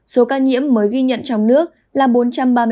số ca nhiễm mới ghi nhận trong nước là bốn trăm ba mươi một bảy mươi hai ca